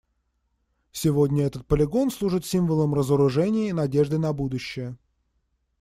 Сегодня этот полигон служит символом разоружения и надежды на будущее.